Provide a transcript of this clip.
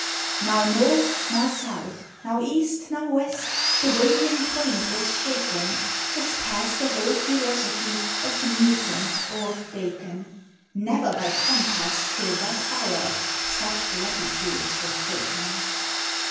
Now north, now south, now east, now west, The wavering point was shaken, 'Twas past the whole philosophy Of Newton, or of Bacon; Never by compass, till that hour, Such latitudes were taken!